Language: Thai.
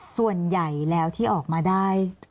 ส่วนใหญ่แล้วที่ออกมาได้